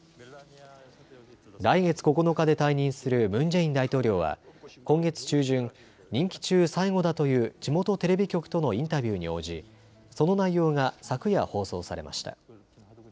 来月９日で退任するムン・ジェイン大統領は今月中旬、任期中最後だという地元テレビ局とのインタビューに応じ、その内容が昨夜、放送されました。